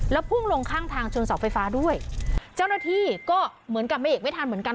แล้วพุ่งลงข้างทางชนเสาไฟฟ้าด้วยเจ้าหน้าที่ก็เหมือนกับไม่เอกไม่ทันเหมือนกัน